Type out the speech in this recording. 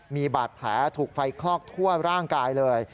มีบาดแผลถูกไฟคลอกทั่วร่างกายเลย